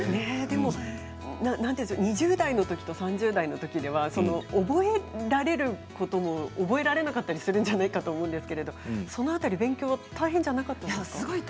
でも、２０代のときと３０代のときでは覚えられることも覚えられなかったりするんじゃないかと思うんですけれどその辺り、勉強は大変じゃなかったですか？